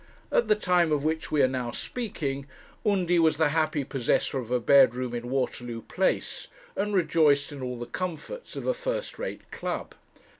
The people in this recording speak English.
At the time of which we are now speaking Undy was the happy possessor of a bedroom in Waterloo Place, and rejoiced in all the comforts of a first rate club.